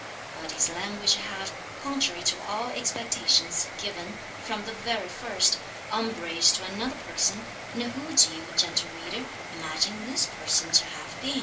But his language had, contrary to all expectations, given, from the very first, umbrage to another person, and who do you, (gentle reader,) imagine this person to have been?